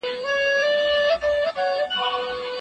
جهان ته ګورم چي په هوا دی